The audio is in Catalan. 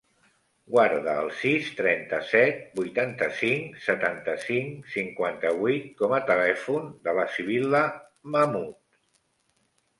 Guarda el sis, trenta-set, vuitanta-cinc, setanta-cinc, cinquanta-vuit com a telèfon de la Sibil·la Mahmood.